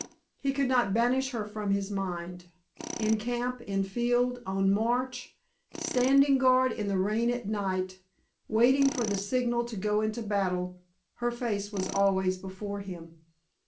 He could not banish her from his mind. In camp, in field, on march, standing guard in the rain at night, waiting for the signal to go into battle, her face was always before him.